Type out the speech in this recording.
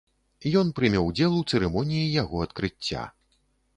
Ён прыме ўдзел у цырымоніі яго адкрыцця.